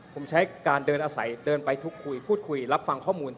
ผมใช้การเดินอาศัยเดินไปทุกคุยพูดคุยรับฟังข้อมูล